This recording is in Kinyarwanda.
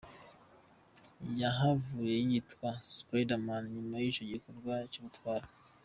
Yahavuye yitwa Spiderman inyuma y'ico gikorwa c'ubutwari.